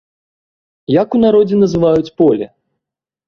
Як у народзе называюць поле?